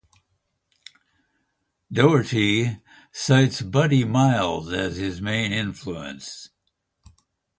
Doherty cites Buddy Miles as his main influence.